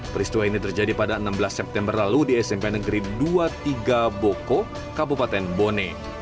peristiwa ini terjadi pada enam belas september lalu di smp negeri dua puluh tiga boko kabupaten bone